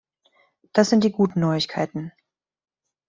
Das sind die guten Neuigkeiten.